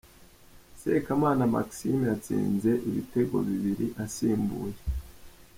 Sekamana Maxime yatsinze ibitego bibiri asimbuye .